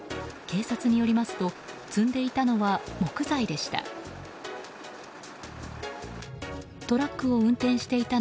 警察によりますと積んでいたのは木材でした。